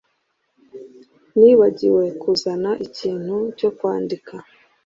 Nibagiwe kuzana ikintu cyo kwandika